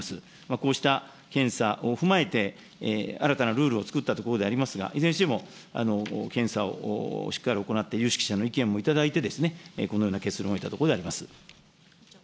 こうした検査を踏まえて、新たなルールを作ったところでありますが、いずれにしても検査をしっかりと行って、有識者の意見も頂いて、このような結論を得たところであります。